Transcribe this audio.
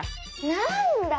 なんだ。